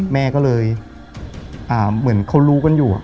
แม่ก็เลยเหมือนเขารู้กันอยู่